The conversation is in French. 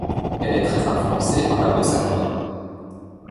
Elle est très influencée par la bossa nova.